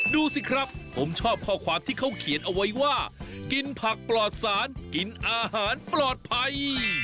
ดูสิครับผมชอบข้อความที่เขาเขียนเอาไว้ว่ากินผักปลอดสารกินอาหารปลอดภัย